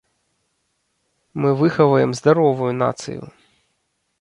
Мы выхаваем здаровую нацыю.